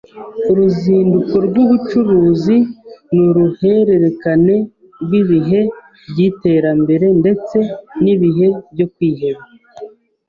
Uruzinduko rwubucuruzi nuruhererekane rwibihe byiterambere ndetse nibihe byo kwiheba